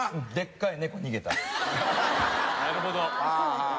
なるほど。